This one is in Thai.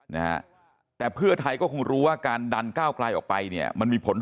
นะฮะแต่เพื่อไทยก็คงรู้ว่าการดันก้าวไกลออกไปเนี่ยมันมีผล